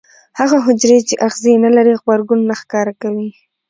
هغه حجرې چې آخذې نه لري غبرګون نه ښکاره کوي.